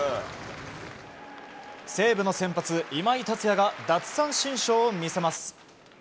西武の先発、今井達也が奪三振ショーを見せます。